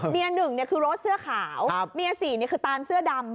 หนึ่งคือรถเสื้อขาวเมียสี่นี่คือตานเสื้อดำ